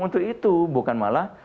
untuk itu bukan malah